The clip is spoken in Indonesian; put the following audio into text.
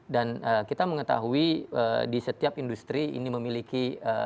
dan kita mengetahui di setiap industri ini memiliki